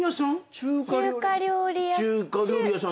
⁉中華料理屋さん。